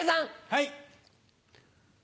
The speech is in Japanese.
はい。